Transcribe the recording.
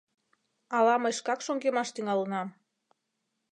Ала мый шкак шоҥгемаш тӱҥалынам?